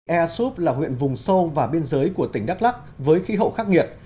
air soup là huyện vùng sâu và biên giới của tỉnh đắk lắc với khí hậu khắc nghiệt